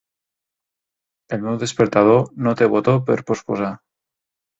El meu despertador no té botó per postposar.